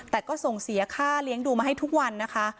แต่ก็ส่งเสียค่าเลี้ยงดูมาให้ทุกวันนะคะ